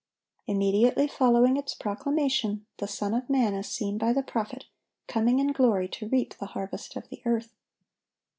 Immediately following its proclamation, the Son of man is seen by the prophet, coming in glory to reap the harvest of the earth.